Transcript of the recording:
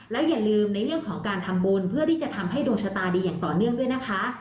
แล้วอย่าลืมในเรื่องของการทำบุญเพื่อที่จะทำให้ดวงชะตาดีอย่างต่อเนื่องด้วยนะคะ